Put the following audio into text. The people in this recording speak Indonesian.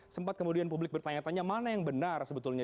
sempat kemudian publik bertanya tanya mana yang benar sebetulnya